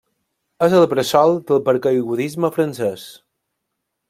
És el bressol del paracaigudisme francès.